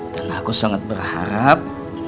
dan aku sangat berharap